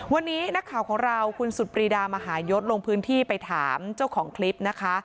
วันนี้นักข่าวของเราคุณสุดปรีดามหายศลงพื้นที่ไปถามเจ้าของคลิปนะคะ